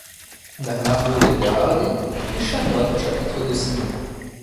Bernardo de Berardi est chanoine au chapitre d'Osimo.